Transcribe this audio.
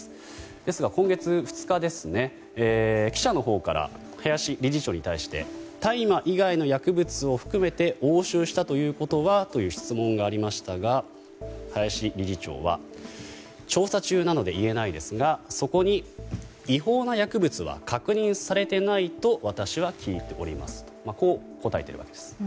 ですが今月２日記者のほうから林理事長に対して大麻以外の薬物を含めて押収したということは？という質問がありましたが林理事長は調査中なので言えないですがそこに違法な薬物は確認されてないと私は聞いておりますとこう答えているわけです。